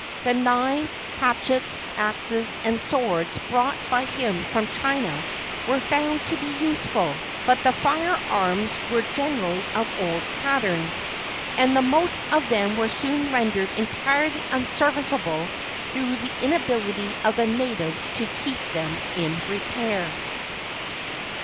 The knives, hatchets, axes and swords brought by him from China were found to be useful, but the fire arms were generally of old patterns, and the most of them were soon rendered entirely unserviceable through the inability of the natives to keep them in repair.